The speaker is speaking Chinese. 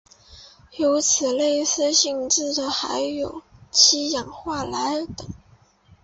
有此类似性质的还有七氧化二铼等。